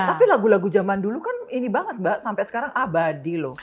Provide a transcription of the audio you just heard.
tapi lagu lagu zaman dulu kan ini banget mbak sampai sekarang abadi loh